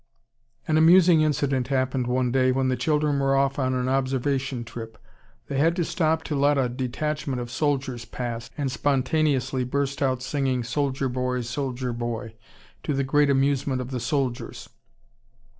An amusing incident happened one day when the children were off on an observation trip. They had to stop to let a detachment of soldiers pass, and spontaneously burst out singing "Soldier Boy, Soldier Boy," to the great amusement of the soldiers.